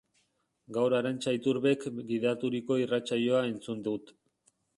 Gaur Arantxa Iturbek gidaturiko irratsaioa entzun dut.